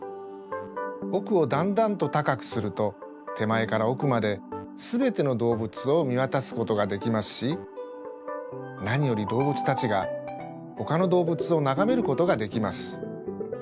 おくをだんだんとたかくするとてまえからおくまですべての動物をみわたすことができますしなにより動物たちがほかの動物をながめることができます。